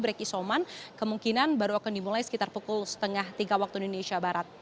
break isoman kemungkinan baru akan dimulai sekitar pukul setengah tiga waktu indonesia barat